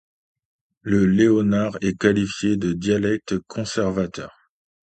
Le léonard est qualifié de dialecte conservateur.